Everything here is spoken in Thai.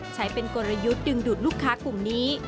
ใช้เป็นกลยุทธ์ดึงดูดลูกค้ากลุ่มนี้